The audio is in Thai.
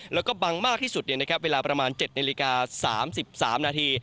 แล้วก็บังมากที่สุดเวลาประมาณ๗นาฬิกา๓๓นาที